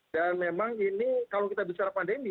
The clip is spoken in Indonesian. dan memang ini kalau kita bicara pandemi